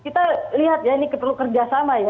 kita lihat ya ini perlu kerjasama ya